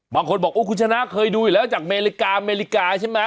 บางคนบอกโอ้คุณชนะเคยดูอยู่แล้วจากอเมริกาอเมริกาใช่ไหม